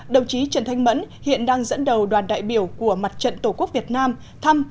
đồng chí trần thanh mẫn hiện đang dẫn đầu đoàn đại biểu của mặt trận tổ quốc việt nam thăm